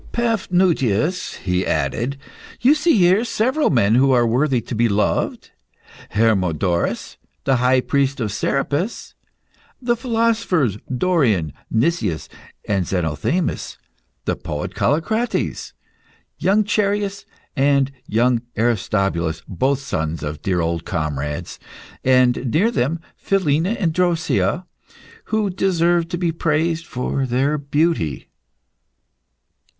"Paphnutius," he added, "you see here several men who are worthy to be loved Hermodorus, the High Priest of Serapis; the philosophers Dorion, Nicias, and Zenothemis; the poet Callicrates; young Chereas and young Aristobulus, both sons of dear old comrades; and near them Philina and Drosea, who deserve to be praised for their beauty."